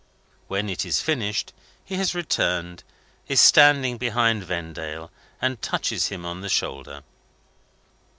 When it is finished, he has returned, is standing behind Vendale, and touches him on the shoulder.